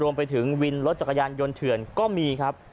รวมไปถึงวินรถจักรยานยนต์เถื่อนก็มีครับ